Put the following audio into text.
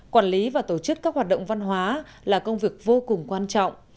quản lý và tổ chức các hoạt động văn hóa là công việc vô cùng quan trọng